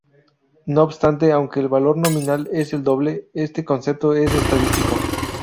No obstante, aunque el valor nominal es el doble, este concepto es estadístico.